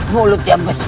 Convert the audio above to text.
mulut yang besar